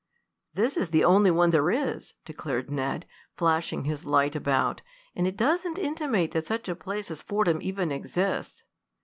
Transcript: "This is the only one there is," declared Ned, flashing his light about, "and it doesn't intimate that such a place as Fordham even exists."